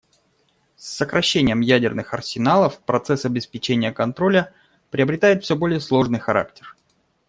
С сокращением ядерных арсеналов процесс обеспечения контроля приобретает все более сложный характер.